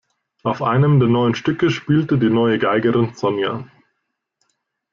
Auf einem der neuen Stücke spielte die neue Geigerin Sonja.